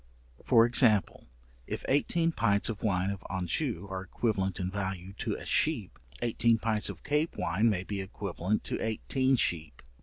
For example, if eighteen pints of wine of Anjou are equivalent in value to a sheep, eighteen pints of Cape wine may be equivalent to eighteen sheep.